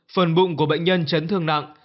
phần bụng của bệnh nhân chân thương nặng